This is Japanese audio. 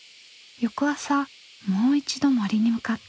翌朝もう一度森に向かった。